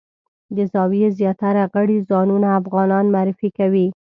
د زاویې زیاتره غړي ځانونه افغانان معرفي کوي.